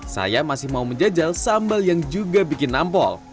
saya masih mau menjajal sambal yang juga bikin nampol